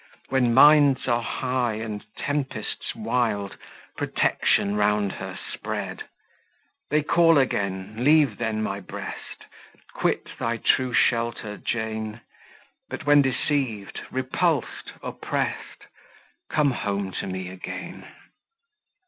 When minds are high and tempests wild Protection round her spread! "They call again; leave then my breast; Quit thy true shelter, Jane; But when deceived, repulsed, opprest, Come home to me again!"